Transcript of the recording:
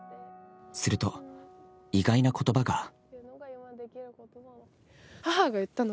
すると、意外な言葉が。